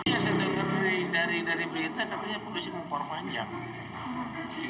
saya dengar dari berita katanya polisi mempor panjang